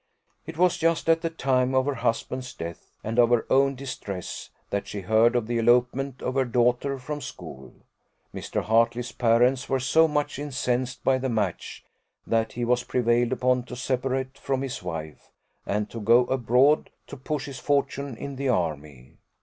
It was just at the time of her husband's death, and of her own distress, that she heard of the elopement of her daughter from school. Mr. Hartley's parents were so much incensed by the match, that he was prevailed upon to separate from his wife, and to go abroad, to push his fortune in the army.